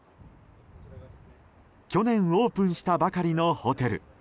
去年オープンしたばかりのホテル。